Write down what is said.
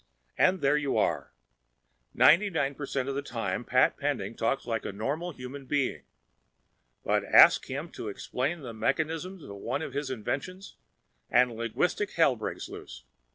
And there you are! Ninety nine percent of the time Pat Pending talks like a normal human being. But ask him to explain the mechanism of one of his inventions and linguistic hell breaks loose.